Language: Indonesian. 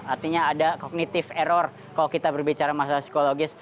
artinya ada kognitif error kalau kita berbicara masalah psikologis